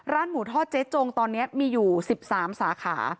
หมูทอดเจ๊จงตอนนี้มีอยู่๑๓สาขา